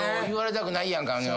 言われたくないやんか。